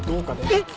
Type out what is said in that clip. えっ！